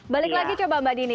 balik lagi coba mbak dini